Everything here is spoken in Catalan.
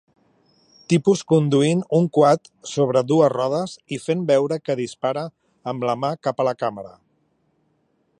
Tipus conduint un quad sobre dues rodes i fent veure que dispara amb la mà cap a la càmera.